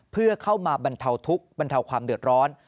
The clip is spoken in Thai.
เพื่อเข้ามาบรรเทาทุกข์บรรเทาความเดือดร้อน